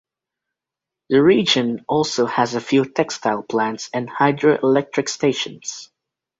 The region also has a few textile plants and hydroelectric stations.